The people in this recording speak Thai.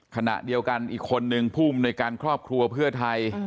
ขณะเดียวกันอีกคนนึงผู้อำนวยการครอบครัวเพื่อไทย